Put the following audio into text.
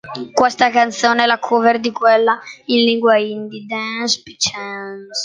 Questa canzone è la cover di quella in lingua hindi "Dance Pe Chance".